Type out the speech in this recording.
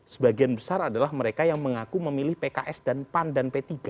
sebagian besar adalah mereka yang mengaku memilih pks dan pan dan p tiga